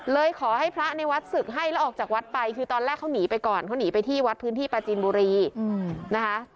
เลยขอให้พระในวัดศึกให้แล้วออกจากวัดไปคือตอนแรกเขาหนีไปก่อนเขาหนีไปที่วัดพื้นที่ปาจีนบุรีนะคะ